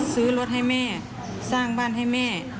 ซื้อรถให้แม่สร้างบ้านให้แม่